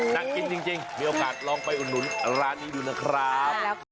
น่ากินจริงมีโอกาสลองไปอุดหนุนร้านนี้ดูนะครับ